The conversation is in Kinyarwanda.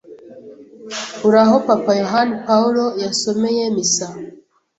Uri aho Papa Yohani Paulo yasomeye misa,